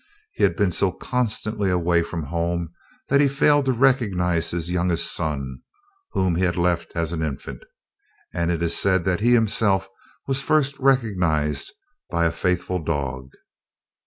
He had been so constantly away from home, that he failed to recognize his youngest son, whom he had left an infant. And it is said that he himself was first recognized by a faithful dog.